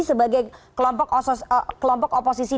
sebagai kelompok oposisi